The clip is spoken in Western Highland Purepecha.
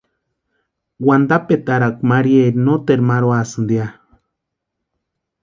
Wantapʼetarakwa Maríaeri noteru marhuasïnti ya.